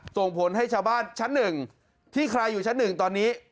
ส่งผลให้ชาวบ้านชั้นหนึ่งที่ใครอยู่ชั้นหนึ่งตอนนี้